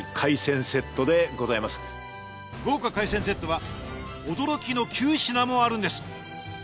豪華海鮮セットは驚きの９品もあるんです。